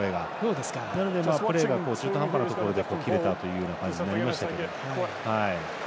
なので、プレーが中途半端なところで切れた感じになりました。